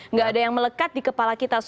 nggak ada yang melekat di kepala kita